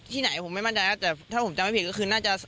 ที่ไหนผมไม่มั่นใจแล้วแต่ถ้าผมจำไม่ผิดก็คือน่าจะ